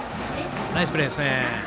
ナイスプレーですね。